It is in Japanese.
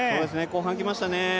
後半来ましたね。